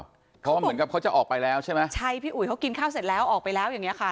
เพราะว่าเหมือนกับเขาจะออกไปแล้วใช่ไหมใช่พี่อุ๋ยเขากินข้าวเสร็จแล้วออกไปแล้วอย่างเงี้ค่ะ